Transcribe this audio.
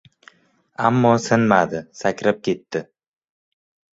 Ammo sinmadi, sakrab ketdi.